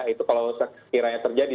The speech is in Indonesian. itu kalau sekiranya terjadi